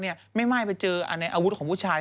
เนี้ยไม่ไมาด้ไปเจออันในอาวุธของผู้ชาย